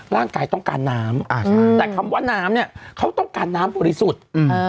ร่างกายต้องการน้ำแต่คำว่าน้ำเนี่ยเขาต้องการน้ำบริสุทธิ์